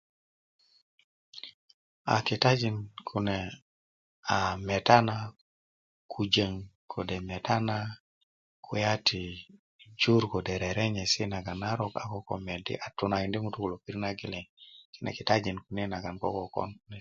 aa kitajin kune a meta na kujöŋ kode meta na kulya ti jur kode' rerenyesi' naga a narok a koo medi a dunakindi' ŋutuu kulo i pirit na geleŋ kine kitajin naŋ ko kokon